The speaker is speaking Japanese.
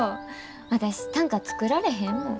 私短歌作られへんもん。